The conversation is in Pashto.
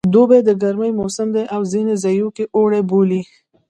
دوبی د ګرمي موسم دی او ځینې ځایو کې اوړی بولي